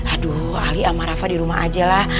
aduh ali sama rafa di rumah ajalah